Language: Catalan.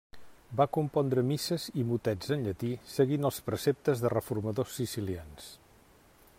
Va compondre misses i motets en llatí, seguint els preceptes de reformadors sicilians.